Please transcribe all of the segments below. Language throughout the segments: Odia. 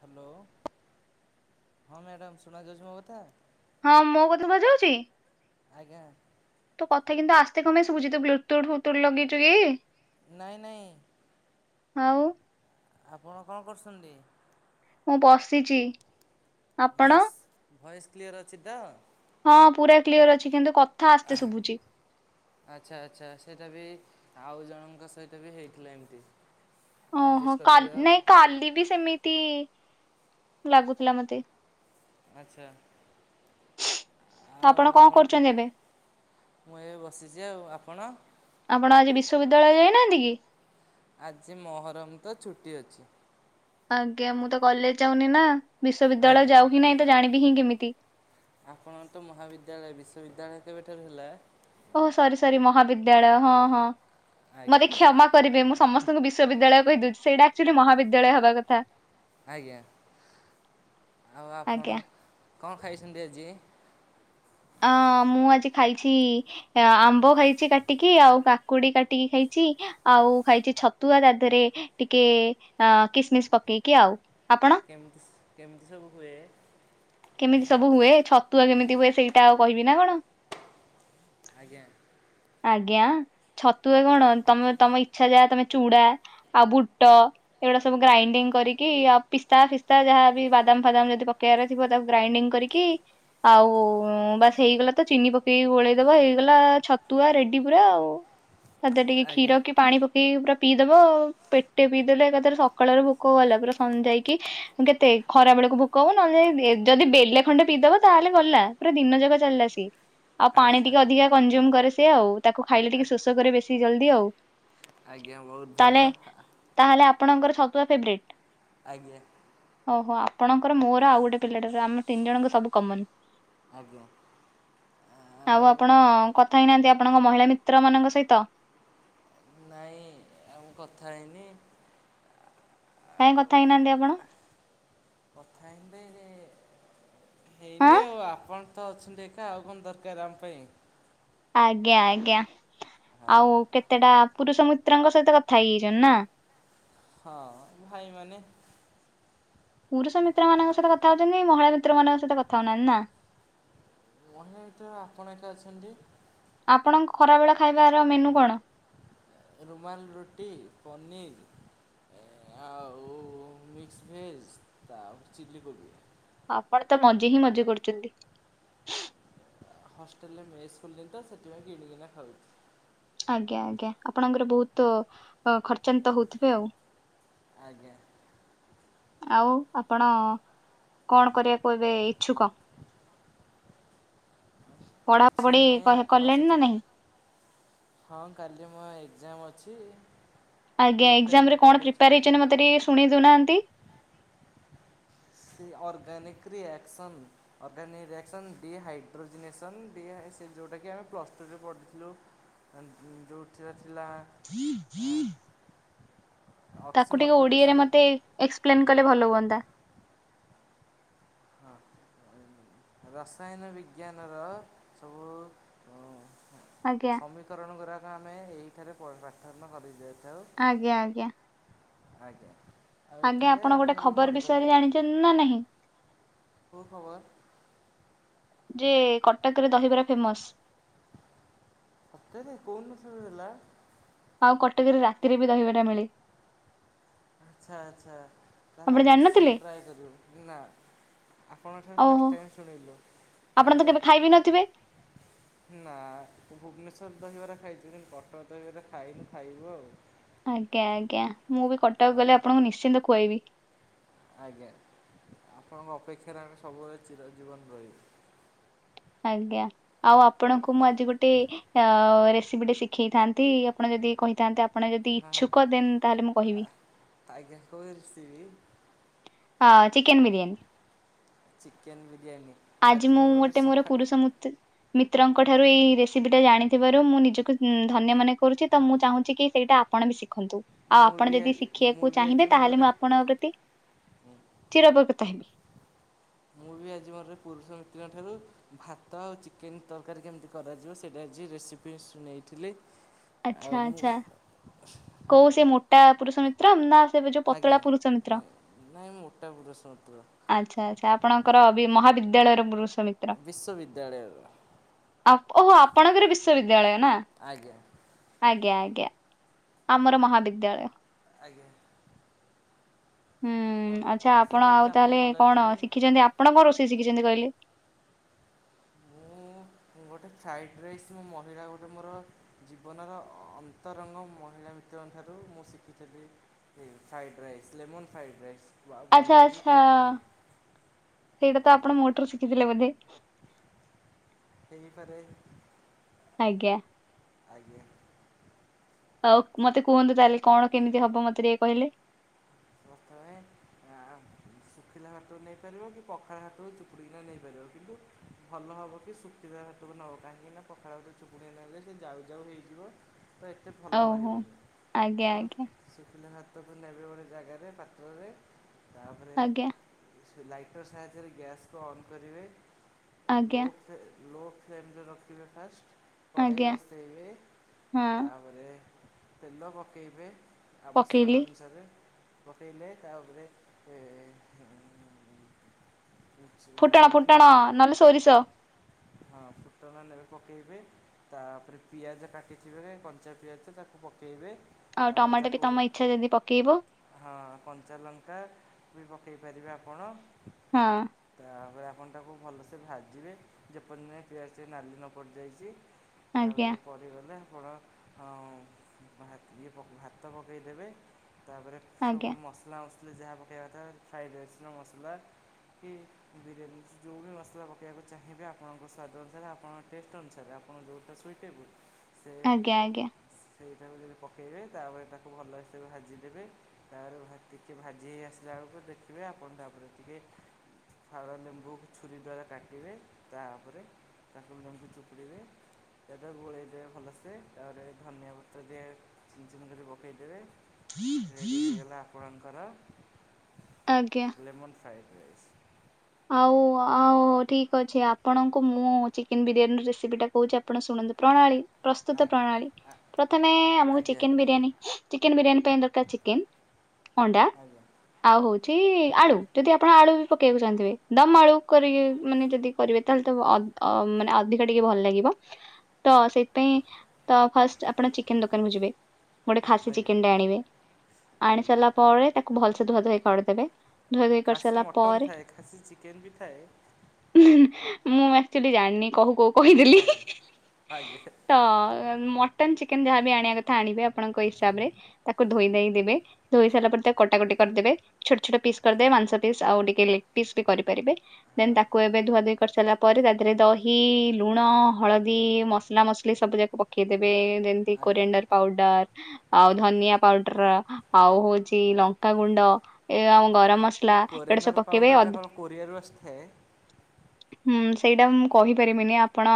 ହ୍ୟାଲୋ ହଁ ମ୍ୟାଡ଼ାମ ସୁଣା ଯାଉଚି ମୋକଥା, ହଁ ମୁଁ କଥାରା ସୁବାଜାଉଛି? ଆଜ୍ଞା, କଥା କିନ୍ତୁ ଆସ୍ତେ କମ୍ପେଇ ଶୁବୁଛି ତୁ ବ୍ଲୁଟୁଥ ଫ୍ଳୁଟୁଥ ଲଗେଇଚୁକି? ନାଇଁ ନହିଁ, ଆଉ, ଆପଣ କଣ କରୁଛନ୍ତି? ମୁଁ ପଶିଛି ଭଏସ ଭଏସ କ୍ଲିୟର ଅଛି ତ ହଁ ପୁରା କ୍ଲିୟର ଅଛି କିନ୍ତୁ ଆସ୍ତେ ଶୁଭୁଛି। ଆଚଛା ଆଚ୍ଛା ସେଇଟା ବି ଆଉ ଜଣଙ୍କ ସହିତ ବି ହେଇଥିଲା ଏମତି ଓହୋ କା ନାଇଁ କାଲି ବି ସେମିତି ଲାଗୁଥିଲା ମତେ ଆଚ୍ଛା। ତ ଆପଣ କଣ କରୁଛନ୍ତି ଏବେ ମୁଁ ଏବେ ବସିଛି ଆଉ ଆପଣ ବିଶବଦ୍ୟାଳୟ ଯାଇନାହାନ୍ତି କି ଆଜି ମହରମ ତ ଛୁଟି ଅଛି। ଆଜ୍ଞା ମୁଁ ତ କଲେଜ ଯାଉନି ନା ବିଶ୍୍ୱବିଦ୍ୟାଳୟ ଆଜ୍ଞା ଯାଉ ହି ନାଇଁ ତ ଜାଣିବି ହିଁ କେମିତି? ଆପଣ ତ ମହାବିଦ୍ୟାଳୟ ବିଶ୍ବିଦ୍ୟାଳୟ କେବେ ଠାରୁ ହେଲା। ଓ ସରି ସରି ମହାବିଦ୍ୟାଳୟ ହଁ ହଁ ଆଜ୍ଞା ମତେ କ୍ଷମା କରିବେ ମୁଁ ସମସ୍ତଙ୍କୁ ବିଶ୍ୱବିଦ୍ୟାଳୟ କହିଦଉଛି ସେଇଟା ଆକ୍ଚୁଆଲି ମହାବିଦ୍ୟାଳୟ ହେବା କଥା। ଆଜ୍ଞା ଆଉ ଆଜ୍ଞା ଆପଣ କଣ୍ ଖାଇଛନ୍ତି ଆଜି। [inaudible] ଅଁ ମୁଁ ଆଜି ଖାଇଛି ଆମ୍ବ ଖାଇଛି କାଟିକି ଆଉ କାକୁଡି କାଟିକି ଖାଇଛି। ଆଉ ଖାଇଛି ଛତୁଆ ତା ଦେହରେ ଟିକେ ଅ କିସମିସ ପକେଇକି ଆଉ ଆପଣ କେମିତି କେମିତି ସବୁ ହୁଏ। କେମିତି ସବୁ ହୁଏ ଛତୁଆ କେମିତି ହୁଏ ସେଇଟା ଆଉ କହିବି ନା କଣ? ଆଜ୍ଞା। ଆଜ୍ଞା ଛତୁ କଣ ତମେ ତମ ଇଚଛା ଯାହା ତମେ ଚୁଡା ଆଉ ବୁଟ? ଏଗୁଡା ସବୁ ଆଜ୍ଞା ଗ୍ରାଇଣ୍ଡିଙ୍ଗ କରିକି ଆ ପିସ୍ତା ଫିସ୍ତା ଯାହାବି ବାଦାମ ଫାଦାମ ଯଦି ପକେଇବାର ଥିବ ତାକୁ ଗ୍ରାଇଣ୍ଡିଙ୍ଗ କରିକି ଆଉ ବାସ ହେଇଗଲା ତ ଚିନି ପକେଇକି ଗୋଳେଇଦବ ହେଇଗଲା ଛ ତୁ ଆ ରେଡି ପୁରା ଆଉ ଟିକେ ଆଜ୍ଞା କ୍ଷୀର କି ପାଣି ପକେଇକି ପୁରା ପିଇଦବ ପେଟେ ପିଇଦେଲେ ଏକାଥରେ ସକାଳର ଭୋକଗଲା ପୁରା ସନ୍ଧ୍ୟା ହେକି କେତେ ଖରାପ ଯାହାକୁ ଭୋକ ହେବ ନ ହେଲୋ ଯଦି ବେଲେ ଖଣ୍ଡେ ପିଇଦବ ତା ହେଲେ ଗଲା ପୁରା ଦିନ ଯାକ ଚାଲିଲା ସିଏ। ଆଉ ପାଣି ଆଚ୍ଛା ଟିକେ ଅଧିକା କନଜୁମ୍ କରେ ସେିଏ ଆଉ ତାକୁ ଖାଇଲେ ଟିକେ ଶୋଷ କରେ ବେଶୀ ଜଲଦି ଆଉ। ଆଜ୍ଞା ବହୁତ ତାହେଲେ ଭଲ। ତାହେଲେ ଆପଣଙ୍କର ଛତୁଆ ଫେବ୍ରଟ୍ ଆଜ୍ଞା। ଓହୋ ଆପଣଙ୍କର ମୋର ଆଉ ଗୋଟେ ପିଲାଟ ଆମର ତିନି ଜଣଙ୍କ ସବୁ କମନ। ଆଜ୍ଞା। ଆଉ ଆପଣ କଥା ହେଇନାହାନ୍ତି। ଆପଣଙ୍କ ମହିଳା ମିତ୍ର ମାନଙ୍କ ସହିତ। ନାଇଁ ଆଉ କଥା ହେଇନି। କାହିଁ କଥା ହେଇନାହାନ୍ତି ଆପଣ କଥା ହେଇନି ହଁ ହେଇନି ଆଉ ଆପଣ। ତ ଅଛନ୍ତି ଏକା ଆଉ କଣ ଦରକାର ଆମ ପାଇଁ। ଆଜ୍ଞା ଆଜ୍ଞା ହଁ ଆଉ କେତେଟା ପୁରୁଷ ମିତ୍ରଙ୍କ ସହିତ କଥା ହେଇ ଯାଇଛନ୍ତି ନା। ହଁ ଭାଇମାନେ ପୁରୁଷ ମିତ୍ର ମାନଙ୍କ ସହିତ କଥା ହଉଛନ୍ତି କି ମହିଳା ମିତ୍ର ମାନଙ୍କ ସହିତ କଥା ହଉନାହାନ୍ତି ନା। ଆ୍ ଏ ତ ଆପଣ ଏକା ଅଛନ୍ତି। ଆପଣଙ୍କ ଖରା ବେଳେ ଖାଇବାର ମେନୁ କଣ। ରୁମାଲ ରୁଟି ପନିର୍ ଆଉ ମିକ୍ସ ଭେଜ ତା ପରେ ଚିଲ୍ଲି କୋବି। ଆପଣ ତ ମଜେ ହିଁ ମଜେ କରୁଛନ୍ତି। ହଷ୍ଟେଲ୍ ରେ ମେସ୍ ଖୋଲିଲେ ତ ସେଥିପାଇଁ କିଣିକିନା ଖାଉଛି। ଆଜ୍ଞା ଆଜ୍ଞା ଆପଣଙ୍କର ବହୁତ ଖର୍ଚ୍ଚାନ୍ତ ହଉଥିବେ ଆଉ। ଆଜ୍ଞା। ଆଉ ଆପଣ କଣ କରିବାକୁ ଏବେ ଇଚ୍ଛୁକ। [inaudible] କିଛି ପଢାପଢି ନାହିଁ କହ- ଆପଣଙ୍କ କଲେଣି ନା ସହିତ ନାହିଁ ହଁ କାଲି ମୋ ଏକ୍ସାମ ଅଛି ଆଜ୍ଞା ଗୋଟେ ଏକ୍ସାମ୍ ରେ ୟୁନିଟ୍ କଣ ପଢ଼ିଛି ପ୍ରିପେୟାର ହେଇଛନ୍ତି ମତେ ଟିକେ ଶୁଣେଇ ଦଉନାହାନ୍ତି। Organic reaction organic reaction dehydrogenation ଡି ସେ ଯେଉଁଟାକି ଆମେ ପ୍ଲସ୍ [unintelligible] ପଢ଼ିଥିଲୁ ଯେଉଁଥିରେ ଥିଲା ଆ ତାକୁ ଟିକେ ଓଡିଆରେ ମତେ ଏକ୍ସପ୍ଲେନ କଲେ ଭଲ ହୁଅନ୍ତା। ହଁ। ରସାୟନ ବିଜ୍ଞାନର ସବୁ ଆଜ୍ଞା ସମୀକରଣ ଗୁରାକ ଆମେ ଏଇଠାରେ ପ ପାଠନ କରିଦି ଆଜ୍ଞା ଆଜ୍ଞା। ଆଜ୍ଞା। ଆଉ ଆଜ୍ଞା ଏଠାରେ ଆପଣ ଗୋଟେ ବି ଖବର ପଢ଼ିପାରିବେ। ବିଷୟରେ ଜାଣିଛନ୍ତି ନା ନାହିଁ। କୋଉ ଖବର। ଯେ କଟକରେ ଦହିବରା ଫେମସ। ସତରେ କୋଉ ଦିନ ଠାରୁ ହେଲା। ଆଉ କଟକ ରେ ରାତିରେ ବି ଦହିବରା ମିଳେ। ଆଚ୍ଛା ଆଚ୍ଛା ତା ହେଲେ ଆପଣ ଆମେ ଜାଣିନଥିଲେ? ନିଶ୍ଚିନ୍ତ ଟ୍ରାଏ କରିବୁ ନା। ଆପଣଙ୍କ ଠାରୁ ଓହୋ ଫାଷ୍ଟ ଟାଇମ୍ ଶୁଣିଲୁ ଆପଣ ତ ଆଜ୍ଞା। କେବେ ଖାଇ ବିି ନଥିବେ ନା ଭୁବନେସ୍ [unintelligible] ଦହିବରା ଖାଇଛୁ କିନ୍ତୁ କଟର ଦହିବରା ଖାଇନୁ ଖାଇବୁ ଆଉ ଆଜ୍ଞା ଆଜ୍ଞା ମୁଁ ବି କଟକ ଗଲେ ଆଜ୍ଞା ଆପଣଙ୍କୁ ନିଶ୍ଚିନ୍ତ କୁଆଇବି। ଆଜ୍ଞା ଆପଣଙ୍କ ଅପେକ୍ଷାରେ ଆମେ ସବୁବେଳେ ଚିର ଜୀବନ ରହିବୁ। ଆଜ୍ଞା ଆଉ ଆପଣଙ୍କୁ ମୁଁ ଆଜି ଗୋଟେ ଅ ରେସିପି ଟେ ଶିଖେଇଥାନ୍ତି ଆପଣ ଯ ଯଦି କହିଥାନ୍ତେ ଆପଣ ଯଦି ହଁ ଇଛୁକ ଦେନ ତାହେଲେ ମୁଁ କହିବି। ଆଜ୍ଞା କହୁଥିଲି ହଁ ଚିକେନ ବିରିୟାନୀ। ଚିକେନ ବି ଆଜି ମୁଁ ଗୋଟେ ମୋର ପୁରୁଷ ମୁତ ମିତ୍ରଙ୍କ ଠାରୁ ଏଇ ରେସିପି ଟା ଜାଣିଥିବାରୁ ମୁଁ ନିଜକୁ ଧନ୍ୟ ମନେ କରୁଛି ତ ମୁଁ ଚାହୁଁଛି କି ସେଇଟା ଆପଣ ବି ଶି ଖନ୍ତୁ ଆଉ ମୁଁ ଆପଣ ବି ଯଦି ମୁଁ ଶିଖିବାକୁ ବି ଆଜି ଚାହିଁବେ ମୋର ତାହେଲେ ମୁଁ ଆପଣଙ୍କ ପ୍ରତି ଗୋଟେ ଚିର ଉପକୃତ ହେବି। ମୁଁ ବି ଆଜି ମୋର ପୁରୁଷ ମିତ୍ରଙ୍କ ଠାରୁ ଭାତ ଆଉ ଚିକେନ ତରକାରୀ କେମିତି କରାଯିବ ସେଇଟା ଆଜି ରେସିପି ଶୁଣେଇଥିଲି ଆଚ୍ଛା ଆଉ ମୁଁ ଆଚ୍ଛା କୋଉ ସେ ମୋଟା ପୁରୁଷ ମିତ୍ର ନା ସେ ଯୋଉ ପତଳା ଆଜ୍ଞା ପୁରୁଷ ମିତ୍ର ନାଇ ନାଇଁ ମୋଟା ପୁରୁଷ ମିତ୍ର ଆଚ୍ଛା ଆଚ୍ଛା ଆପଣଙ୍କର [unintelligible] ମହାବିଦ୍ୟାଳୟର ପରୁଷ ବିଶ୍ଵବିଦ୍ୟାଳୟ ଓହୋ ଆପଣଙ୍କର ବିଶ୍ଵବିଦ୍ୟାଳୟ ନା ଆଜ୍ଞା ଆଜ୍ଞା। ଆମର ମହାବିଦ୍ୟାଳୟ ଆଜ୍ଞା। ଆପଣ ହୁଁ ଆଚ୍ଛା ଆଶା ଆପଣ କରୁଛି ଆଉ ତାହେଲେ ଭଲରେ କଣ ଥିବେ ଶିଖିଛନ୍ତି ଆପଣ କଣ ରୋଷେଇ ଶ ଛନ୍ତି କହିଲେ ମୁଁ ଗୋଟେ ଫ୍ରାଇଡ ରାଇସ୍ ମୋ ମହିଳା ଗୋଟେ ମୋର ଜୀବନର ଅନ୍ତରଙ୍ଗ ମହିଳା [unintelligible] ଠାରୁ ମୁଁ ଶିଖିଥିଲି ଏ fried rice lemon fried rice. ଆଚ୍ଛା ବନେଇବି ଆଚ୍ଛା ଖାଇଥିଲି [inaudible] ସେଇଟା ତ ଆଜ୍ଞା ଆପଣ ମୋଠାରୁ ଶିଖିଥିଲେ ବୋଧେ। ହେଇ ଫରେ। ଆଜ୍ଞା। ଆଜ୍ଞ। ଆଉ ମତେ କୁହନ୍ତୁ ତାହେଲେ କଣ କେମିତି ହବ ମତେ ଟିକେ କହିଲେ। [unintelligible] ଶୁଖିଲା ହାଟରୁ ନେଇପାରିବ କି ପଖାଳ ହାଟରୁ ଚୁକୁଡ଼ିକିନା ନେଇପାରିବ କିନ୍ତୁ ଭଲ ହେବ କି ଶୁଖିଲା ହାଟ। ନବ କାହିଁକି ନା ପଖାଳ ଭରେ ଚୁପୁଡ଼ିଆ ନେଲେ ସେ ଯାଉ ଯାଉ ହେଇଯିବ। ତ ଏତେ ଭଲ ଓହୋ ରହିବନି ଆଜ୍ଞା ତ ଆଜ୍ଞା ଶୁଖିଲେ ହାତକୁ ନେବେ ଗୋଟେ ଜାଗାରେ। ପାତବେ ଆଜ୍ଞା। ଲାଇଟର ସାହାଯ୍ୟରେ ଗ୍ୟାସ୍କୁ ଅନ୍ କରିବେ। ଆଜ୍ଞା। ଲୋ ଫ୍ଲେ ଲୋ ଫ୍ଲେମରେ ରଖିବେ ଫାଷ୍ଟ କଡ଼େଇ ଆଜ୍ଞା ବସେଇବେ ହଁ ତାପରେ ତେଲ ପକାଇବେ ଆବଶ୍ୟକତା ପକେଇଲି। ଅନୁସାରେ ରଫେଇଲେ ତାରେ ହେ ହୁ [inaudible] ଫୁଟଣ ଫୁଟଣ ନହଲେ ସୋରିସ। ହଁ। ଫୁଟଣ ନେବେ ପକେଇବେ ତାପରେ ପିଆଜ କାଟିକି ପକେଇବେ କଞ୍ଚା ପିଆଜ ତାକୁ ପକେଇବେ। ଆଉ ତାପରେ ଟମାଟୋ ବି ତାକୁ ତମ ଇଚ୍ଛା ଯଦି ପକେଇବ। ହଁ କଞ୍ଚା ଲଙ୍କା ବି ପକାଇ ପାରିବେ ଆପଣ। ହଁ। ତାପରେ ଆପଣ ତାକୁ ଭଲକି ଭାଜିବେ ଯେପର୍ଯ୍ୟନ୍ତ ପିଆଜ ନାଲି ନପଡିଯାଇଛି। ଆଜ୍ଞା ତାପରେ ପଡିଗଲେ ଫଳ ଆଉ ଭାତ୍, ଇଏ ପକା, ଭାତ ପକେଇ ଦେବେ। ତାପରେ ଆଜ୍ଞା ସବୁ ମସଲା ମସଲି ଯାହା ପକେଇବା କଥା। [unintelligible] କି ବିରିୟାନୀ ଯୋଉ ବି ମସଲା ପକେଇବାକୁ ଚାହିଁବେ ଆପଣଙ୍କ ସ୍ଵାଦ ଅନୁସାରେ ଆପଣଙ୍କ ଟେଷ୍ଟ ଅନୁସାରେ ଆପଣ ଦୋର୍ ଟା ସୁଇଟେବୁଲ୍। ସେ ଆଜ୍ଞା ଆଜ୍ଞା। ସେଇଟାକୁ ଯଦି ପକାଇବେ ତାପରେ ତାକୁ ଭଲସେ ଭାଜିିବ। ଦେବେ ତାପରେ ଟିକେ ଭାଜି ହେଇ ଆସିଲା ବେଳକୁ ଦେଖିବେ ଆପଣ ତାପରେ ଟିକେ ଫାଳ ଲେମ୍ବୁ ଛୁରୀ ଦ୍ଵାରା କାଟିବେ ତାହାପରେ ତାକୁ ଭଲସେ ଚୁପଡ଼ିଵେ। ସେଟାକୁ ଗୋଳେଇଦବେ ଭଲସେ ତାପରେ ଧନିଆ ପତ୍ର ଦେ ଛିନ୍ ଛିନ୍ କରି ପକେଇଦବେ। ରେଡି ହେଇଗଲା ଆପଣଙ୍କର ଆଜ୍ଞା। Lemon fried. ଆଉ ଆଉ ଠିକ ଅଛି ଆପଣଙ୍କୁ ମୁଁ ଚିକେନ ବିରିୟାନୀ ରେସିପି ଟା କହୁଛି ଆପଣ ଶୁଣ ପ୍ରଣାଳୀ ପ୍ରସ୍ତୁତ ଆଜ୍ଞା ପ୍ରଣାଳୀ ପ୍ରଥମେ ଆମକୁ ଆଜ୍ଞା ଚିକେନ ବିରିୟାନୀ ହୁ ଚିକେନ ବିରିୟାନୀ ପାଇଁ ଦର୍କାର୍ ଚିକେନ। ଅଣ୍ଡା ଆଉ ହଉଛି ଆଳୁ ଯଦି ଆପଣ ଆଳୁ ବି ପକେଇବାକୁ ଚାହୁଁଥିବେ। ଦମ ଆଳୁ କରି ମାନେ ଯଦି କରିବେ ତାହେଲେ ତ ଅ ଅ ମାନେ ଅଧିକା ଟିକେ ଭଲ ଲାଗିବ। ତ ସେଥିପାଇଁ ତ ଫାଷ୍ଟ ଆପଣ ଚିକେନ ଦୋକାନକୁୁ ଯିବେ। ଗୋଟେ ଖାସି ଆଜ୍ଞା ଚିକେନ ଟେ ଆଣିବେ ଆଣି ଆଜ୍ଞା ସାରିଲା ପରେ ତାକୁ ଭଲସେ ଧୁଆ ଧୋଇ କରିଦେବେ। ଧୁଆ ଧୋଇ କରି ସାରିଲା ପରେ ଚିକେନ ଵି ଥାଏ। ମୁଁ ଆକ୍ଚୁଲି ଜାଣିନି କହୁ କୋହୁ କହିଦେଲି [inaudible] ଆଜ୍ଞା ଆଜ୍ଞା ତ ମ ମଟନ ଚିକେନ ଯାହାବି ଆଣିବା କଥା ଆଣିବେ ଆପଣଙ୍କ ହିସାବ ରେ ତାକୁ ଧୋଇ ଧାଇ ଦେବେ ଧୋଇ ସାରିଲ ପରେ ତାକୁ କଟାକଟି କରଦେଵେ ଛୋଟ୍ ଛୋଟ ପିସ୍ କରିଦେବେ ମାଂଶ ପିସ୍ ଆଉ ଟିକେ ପିସ୍ ବି କରିପାରିବେ ଦେନ୍ ହଁ ତାକୁ ଏବେ ଧୁଆ ଧୁଇ କରି ସାରିଲା ପରେ ତା ଦେହରେ ଦହି, ଲୁଣ, ହଳଦୀ ଇ ମସଲା ମସଲି ସବୁ ଯାକ ପକେଇଦବେ ଯେମିତି ଆଜ୍ଞା କୋରେଣ୍ଡର ପାଉଡର ଆଉ ଧନିଆ ପାଉଡ ଅଲ୍ଟ୍ରା ଆଉ ହଉଛି ଲଙ୍କା ଗୁଣ୍ଡ ଏ ଆଉ ଗରମ ମସଲା ଯେଉଁ ଏଗୁଡା ସବୁ ପକେଇବେ ଅଦା [unintelligible] ହୁଁ ସେଇଟା ମୁଁ କହିପାରିବିନି ଆପଣ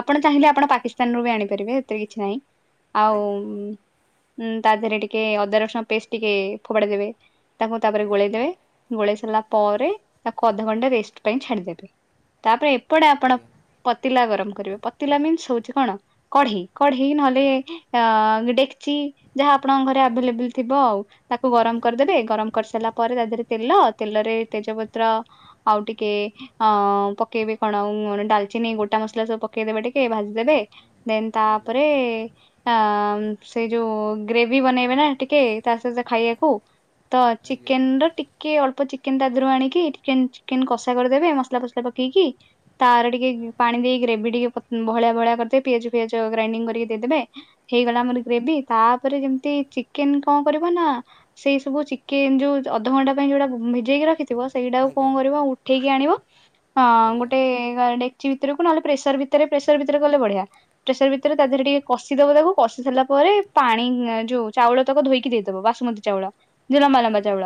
ଆପଣ ଚାହିଁଲେ ଆପଣ ପାକିସ୍ତାନରୁୁ ବି ଆଣିପାରିବେ ଏଥିରେ କିଛି ନାଇଁ [unintelligible] ଆଉ ଆଜ୍ଞା ତା ଦେହରେ ଟିକେ ଅଦା ରସୁଣ ପେଷ୍ଟ ଟିକେ ଫୋପାଡି ଦେବେ। ତାକୁ ତାପରେ ଆଜ୍ଞା ଗୋଳେଇଦବେ, ଗୋଳେଇ ସାରିଲା ପରେ ତାକୁ ଅଧଘଣ୍ଟା ରେଷ୍ଟ ପାଇଁ ଛାଡିଦେବେ, ତାପରେ ଆପଣ ଆଜ୍ଞା ପତିଲା ଗରମ। [unintelligible] [unintelligible] ଆପଣଙ୍କ ଘରେ ଆଜ୍ଞା ଆଭେଲେଵ୍ୟୁଲ୍ ଥିବ ଆଉ ତାକୁ ଗରମ୍ ଆଜ୍ଞା କରଦେଵେ, ଗରମ୍ କରିସାରିଲା ପରେ ତା ଧେରେ ତେଲ, ତେଲରେ ତେଜ ପତ୍ର ଆଉ ଟିକେ ଅ ପକେଇବେ କଣ ଡ଼ାଲିଚିନି ଗୋଟା ମସଲା ସବୁ ପ ପକେଇଦେବେ ଟିକେ ଭାଜିଦେବେ ଦେନ୍ ଆଜ୍ଞା ତାପରେ ଆ ମ୍ଵ୍ ସେଇ ଯୋଉ ଗ୍ରେଭି ବନେଇବେ ନା ଟିକେ ତା ସହିତ ଖାଇବାକୁ। ତ ଆଜ୍ଞା ଆଜ୍ଞା ଆଜ୍ଞା ଆଜ୍ଞା ଚିକେନର ଟିକେ ଅଳ୍ପ ଚିକ୍ ଚିକେନ ତା ଦେହରୁ ଆଣିକି ଟିକେନ୍ ଚିକେନ୍ କଷା କରିଦେବେ ମସ୍ଲା ଫସ୍ଲା ପକେଇକି ତାର ଟିକେ ପାଣି ଦେଇକି ଗ୍ରେଭି ଟିକେ ଫତ୍ ବହଳିଆ ବହଳିଆ କର୍ଦେଇ ପିଆଜ ଫିଆଜ ଗ୍ରାଇଣ୍ଡିଙ୍ଗ୍ କରିକି ଦେଇଦେବେ ହେଇଗଲା ଆମର ଗ୍ରେଭି। ତାପ୍ ପରେ ଯେମିତି ଚିକେନ କଁ କରିବ ନା ସେଇ ସବୁ ଚିକେନ୍ ଯୋଉ ଅଧଘଣ୍ଟା ପାଇଁ ଯୋଉଟା ଦେଇକି ରଖିଥିବ ସେଇଟାକୁ କଁ ଆଜ୍ଞା କରିବ ଉଠେଇକି ଆଣିବ ଅଂ ଗୋଟେ ଡେକ୍ ଛି ଭିତରକୁ ନହେଲେ ପ୍ରେସର ଭିତରେ ପ୍ରେସର ଭିତରେ କଲେ ବଢିଆ ପ୍ରେସର ଭିତରେ ତା ଆଜ୍ଞା ଦେହରେ ଟିକେ କସିଦବ ତାକୁ କଶୀ ସାରିଲା ପରେ ପାଣି ଯୋଉ ଚାଉଳ ତାକୁ ଧୋଇକି ଦେଇଦବା ବାସୁମତୀ ଚାଉଳ, ଲମ୍ବା ଆଜ୍ଞା ଲମ୍ବା ଚାଉଳ।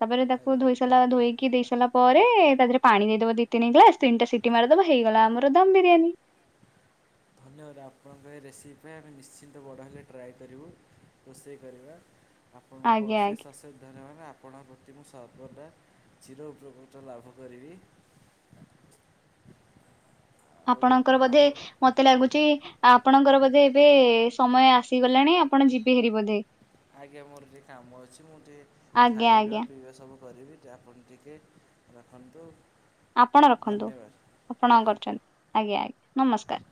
ତାପରେ ତା କୁ ଆଜ୍ଞା ଧୋଇ ସାରିଲା ଧୋଇ କି ଦେଇ ସାରିଲା ପରେ ତା ଦେହେରେ ପାଣି ଦେଇ ଦବ ଦି ତିନି ଗ୍ଲାସ୍ ତିନଟା ସିଟି ମାରଦବ ହେଇଗଲା ଆମର ଦମ ବିରିୟାନୀ ଧନ୍ୟବାଦ। ଆପଣଙ୍କର ଏ ରେସିପ୍ ପାଇଁ ଆମେ ନିଶ୍ଚିନ୍ତ ବଡ଼ ହେଲେ ଟ୍ରାଏ କରିବୁ। ରୋଷେଇ କରିବା। ଆପଣଙ୍କୁ ଆଜ୍ଞା ଆଜ୍ଞା ଅଶେଷ ଅଶେଷ ଧନ୍ୟବାଦ୍। ଆ ଆପଣ ପ୍ରତି ମୁଁ ସର୍ବଦା ଚିରୋ ଉପକୃତ ଲାଭ କରିବି। ଆଉ ଆପଣଙ୍କର ବୋଧେ ଆପଣ ମତେ ଲାଗୁଚି ଆପଣଙ୍କର ବୋଧେ ଏବେ ସମୟ ଆସିଗଲାଣି, ଆପଣ ଯିବେ ହେରି ବୋଧେ ଆଜ୍ଞା ମୋର ଟିକେ କାମ ଅଛି ମୁଁ ଟିକେ ଆଜ୍ଞା ଖାଇବା ଆଜ୍ଞା ପିଇବା ସବୁ କରିବି ଆପଣ ଟିକେ ରଖନ୍ତୁ। ଆପଣ ରଖନ୍ତୁ, ଧନ୍ୟବାଦ ଆପଣ ଆଜ୍ଞା କରିଛନ୍ତି, ଆଜ୍ଞା ଆଜ୍ଞା ନମସ୍କାର